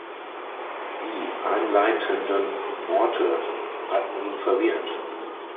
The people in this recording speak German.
Die einleitenden Worte hatten ihn verwirrt.